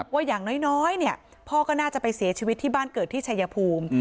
ว่าอย่างน้อยพ่อก็น่าจะไปเสียชีวิตที่บ้านเกิดที่ชายภูมิ